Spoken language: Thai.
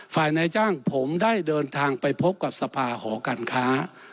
นายจ้างผมได้เดินทางไปพบกับสภาหอการค้า